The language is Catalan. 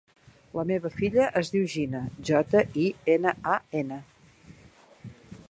La meva filla es diu Jinan: jota, i, ena, a, ena.